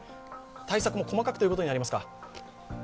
対策も細かくということになりますか。